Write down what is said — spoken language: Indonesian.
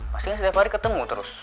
pasti kan setiap hari ketemu terus